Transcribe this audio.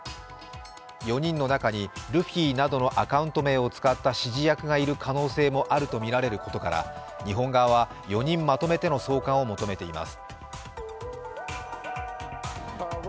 ４人の中にルフィなどのアカウント名を使った指示役がいる可能性もあるとみられることから日本側は４人まとめての送還を求めています。